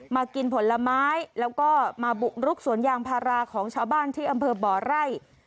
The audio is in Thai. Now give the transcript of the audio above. กินผลไม้แล้วก็มาบุกรุกสวนยางพาราของชาวบ้านที่อำเภอบ่อไร่